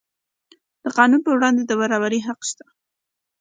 د قانون پر وړاندې د برابرۍ حق شته.